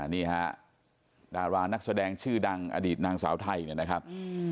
นี่ฮะดารานักแสดงชื่อดังอดีตนางสาวไทยเนี่ยนะครับ